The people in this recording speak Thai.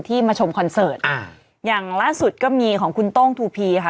มาชมคอนเสิร์ตอ่าอย่างล่าสุดก็มีของคุณโต้งทูพีค่ะ